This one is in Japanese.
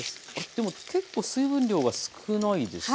でも結構水分量は少ないですね。